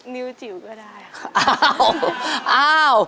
มิวจิ๋วก็ได้ค่ะ